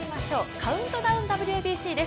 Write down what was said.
カウントダウンＷＢＣです。